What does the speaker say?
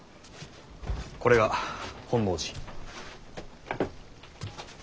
これが本能寺。